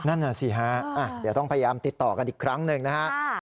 นั่นน่ะสิฮะเดี๋ยวต้องพยายามติดต่อกันอีกครั้งหนึ่งนะฮะ